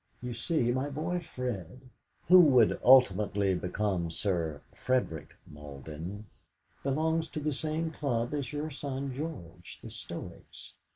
You see, my boy Fred" (who would ultimately become Sir Frederick Malden) "belongs to the same club as your son George the Stoics.